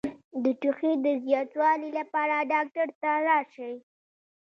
د ټوخي د زیاتوالي لپاره ډاکټر ته لاړ شئ